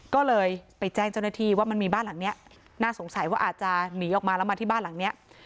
ก็เลยไปแจ้งเจ้าหน้าที่ว่ามันมีบ้านหลังเนี้ยน่าสงสัยว่าอาจจะหนีออกมาแล้วมาที่บ้านหลังเนี้ย